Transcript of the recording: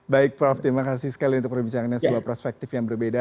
baik prof terima kasih sekali untuk perbincangannya sebuah perspektif yang berbeda